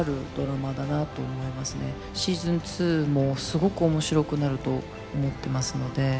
シーズン２もすごく面白くなると思ってますので。